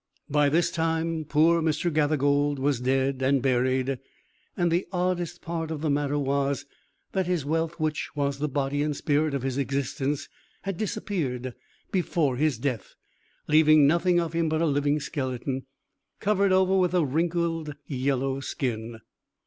By this time poor Mr. Gathergold was dead and buried; and the oddest part of the matter was, that his wealth which was the body and spirit of his existence, had disappeared before his death, leaving nothing of him but a living skeleton, covered over with a wrinkled, yellow skin.